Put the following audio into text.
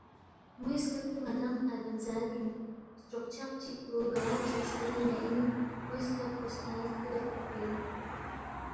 موے سکت پو ن٘دانگ آدم زاد اِن، ستروق چھق چِکتُو گا چیز پو اِن نہ اِن، موے سکت کوس نہ زبِدے فوقپی اِن